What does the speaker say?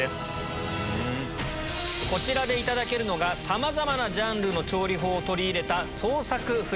こちらでいただけるのがさまざまなジャンルの調理法を取り入れた。